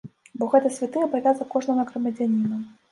Бо гэта святы абавязак кожнага грамадзяніна.